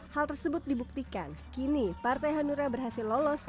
hal tersebut dibuktikan kini partai hanura berhasil lolos